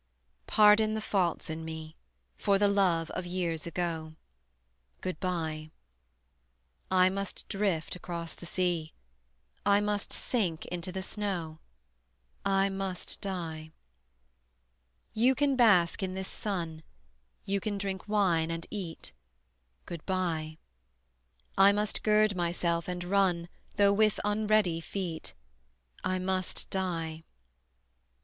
Pardon the faults in me, For the love of years ago: Good by. I must drift across the sea, I must sink into the snow, I must die. You can bask in this sun, You can drink wine, and eat: Good by. I must gird myself and run, Though with unready feet: I must die.